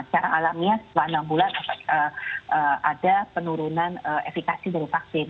secara alamiah setelah enam bulan ada penurunan efekasi dari vaksin